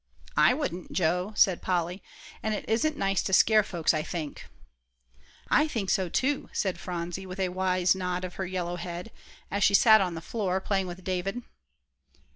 "I wouldn't, Joe," said Polly, "and it isn't nice to scare folks, I think." "I think so, too," said Phronsie, with a wise nod of her yellow head, as she sat on the floor, playing with David.